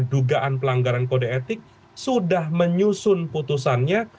dan dugaan pelanggaran kode etik sudah menyusun putusannya